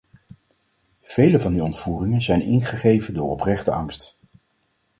Vele van die ontvoeringen zijn ingegeven door oprechte angst.